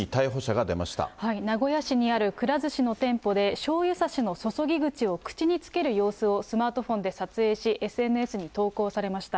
名古屋市にあるくら寿司の店舗で、しょうゆ差しの注ぎ口を口につける様子をスマートフォンで撮影し、ＳＮＳに投稿されました。